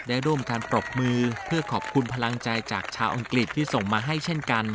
ได้ร่วมการปรบมือเพื่อขอบคุณพลังใจจากชาวอังกฤษที่ส่งมาให้เช่นกัน